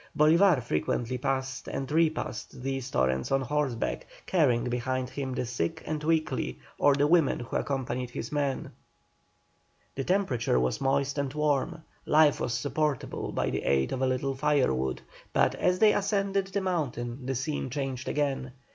Bolívar frequently passed and repassed these torrents on horseback, carrying behind him the sick and weakly, or the women who accompanied his men. The temperature was moist and warm; life was supportable by the aid of a little firewood; but as they ascended the mountain the scene changed again.